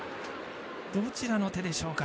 どちらの手でしょうか。